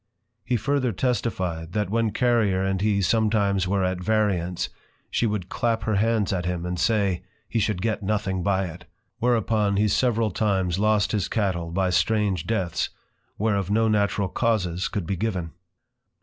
He further testify'd, that when Carrier and he sometimes were at variance, she would clap her hands at him, and say, He should get nothing by it; whereupon he several times lost his Cattle, by strange Deaths, whereof no natural causes could be given.